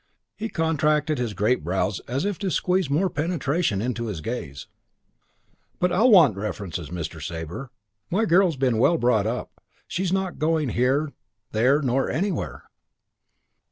He contracted his great brows as if to squeeze more penetration into his gaze. "Yes, but I'll want references, Mr. Sabre. My girl's been well brought up. She's not going here, there, nor anywhere."